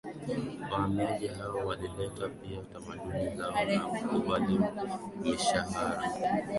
Wahamiaji hao walileta pia tamaduni zao na kukubali mishahara